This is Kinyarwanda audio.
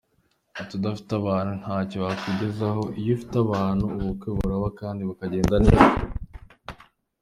Ati “ Udafite abantu ntacyo wakwigezaho, iyo ufite abantu ubukwe buraba kandi bukagenda neza.